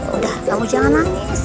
udah kamu jangan nangis